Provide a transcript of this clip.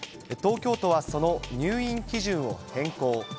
東京都はその入院基準を変更。